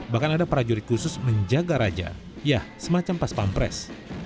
bahkan ada prajurit khusus menjaga raja ya semacam paspampres